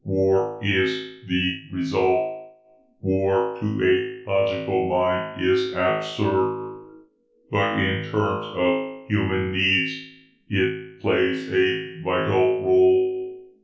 War is the result. War, to a logical mind, is absurd. But in terms of human needs, it plays a vital role.